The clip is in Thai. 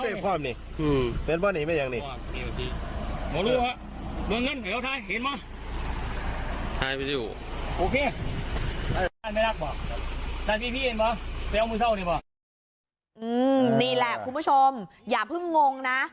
นี่แหละคุณผู้ชมอย่าเพิ่งงงนะ